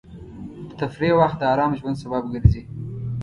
د تفریح وخت د ارام ژوند سبب ګرځي.